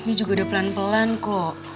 ini juga udah pelan pelan kok